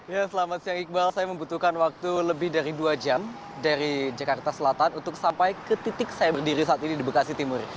ya selamat siang iqbal saya membutuhkan waktu lebih dari dua jam dari jakarta selatan untuk sampai ke titik saya berdiri saat ini di bekasi timur